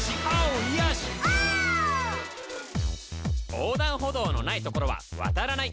横断歩道のないところは渡らない！